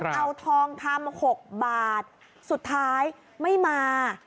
เอาทองคำ๖บาทสุดท้ายไม่มา